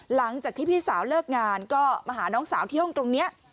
หลังจากที่พี่สาวเลิกงานก็มาหาน้องสาวที่ห้องตรงนี้